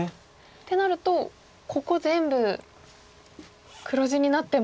ってなるとここ全部黒地になっても。